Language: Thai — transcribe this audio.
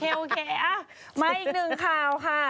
โอเคมาอีกหนึ่งข่าวค่ะ